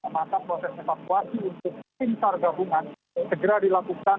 maka proses evakuasi untuk pintar gabungan segera dilakukan